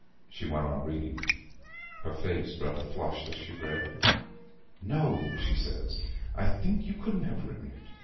She went on reading: her face rather flushed as she read. "No," she says, "I think you couldn't have written it.